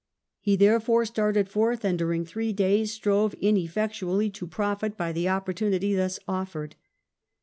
He therefore started forth, and during three days strove ineffectually to profit by the oppor tunity thus offered.